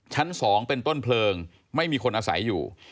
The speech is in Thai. ชั้น๒เป็นต้นเพลิงไม่มีคนอาศัยอยู่